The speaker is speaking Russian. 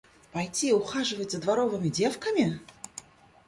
Пойти ухаживать за дворовыми девками?